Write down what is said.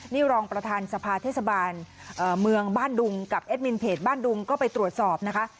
นี่รองประธานสภาเทศบาลเมืองบ้านดุงกับแอดมินเพจบ้านดุงก็ไปตรวจสอบนะคะ